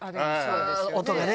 音がね。